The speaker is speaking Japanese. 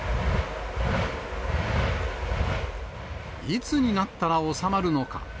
いつになったら収まるのか。